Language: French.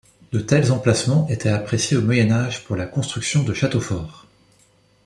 De tels emplacements étaient appréciés au Moyen Âge pour la construction de châteaux forts.